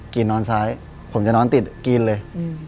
กินนอนซ้ายผมจะนอนติดกรีนเลย